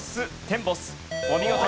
お見事！